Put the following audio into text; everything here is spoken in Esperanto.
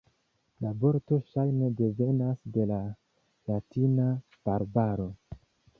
La vorto ŝajne devenas de la latina "barbaro".